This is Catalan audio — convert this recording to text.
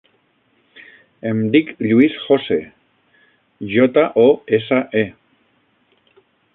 Em dic Lluís Jose: jota, o, essa, e.